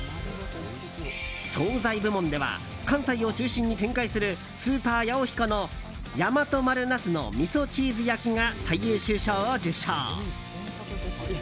惣菜部門では関西を中心に展開するスーパーヤオヒコの大和丸なすの味噌チーズ焼きが最優秀賞を受賞。